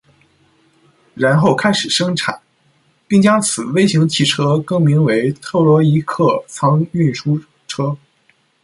然后开始生产，并将此微型汽车更名为“特洛伊客舱巡逻车”。